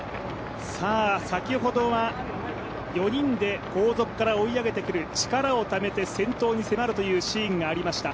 先ほどは４人で後続から追い上げてくる、力をためて先頭に迫るというシーンがありました。